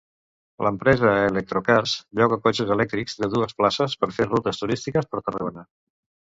L'empresa Electrokars lloga cotxes elèctrics de dues places per fer rutes turístiques per Tarragona.